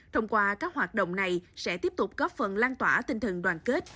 thông qua các hoạt động này sẽ tiếp tục góp phần lan tỏa tinh thần đoàn kết